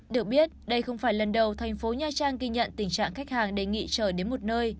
được biết đây không phải lần đầu thành phố nha trang ghi nhận tình trạng khách hàng đề nghị trở đến một nơi